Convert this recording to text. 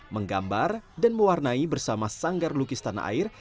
menggambar dan mewarnai bersama sanggar lukis tanah air